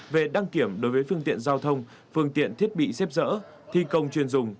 về đăng kiểm đối với phương tiện giao thông phương tiện thiết bị xếp dỡ thi công chuyên dùng